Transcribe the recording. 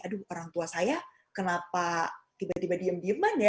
aduh orang tua saya kenapa tiba tiba diem dieman ya